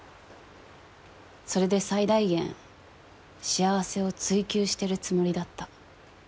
それで最大限幸せを追求してるつもりだった。